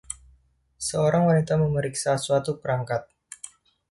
Seorang wanita memeriksa suatu perangkat.